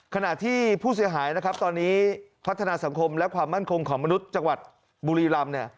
ขณะที่ผู้เสียหายนะครับตอนนี้พัฒนาสังคมและความมั่นคงของมนุษย์จังหวัดบุรีรำเนี่ย